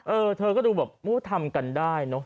เออเธอก็ดูแบบโอ้ทำกันได้เนอะ